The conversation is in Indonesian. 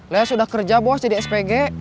lea sudah kerja bos jadi spg